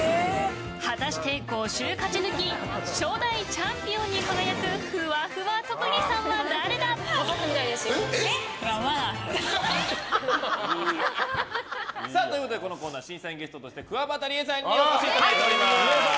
果たして、５週勝ち抜き初代チャンピオンに輝くふわふわ特技さんは誰だ？ということで、このコーナー審査員ゲストとしてくわばたりえさんにお越しいただいております。